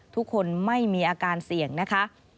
ทุกคนไม่มีอาการเสี่ยงนะคะ